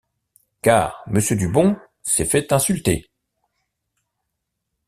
Car monsieur Dubon s'est fait insulter.